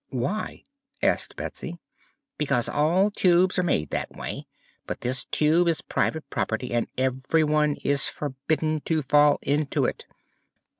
"Why?" asked Betsy. "Because all tubes are made that way. But this Tube is private property and everyone is forbidden to fall into it."